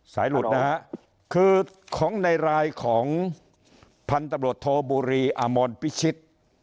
หลุดนะฮะคือของในรายของพันธุ์ตำรวจโทบุรีอมรพิชิต